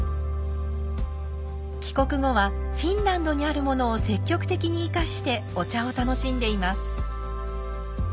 帰国後はフィンランドにあるものを積極的に生かしてお茶を楽しんでいます。